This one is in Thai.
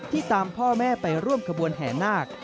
ตามพ่อแม่ไปร่วมขบวนแห่นาค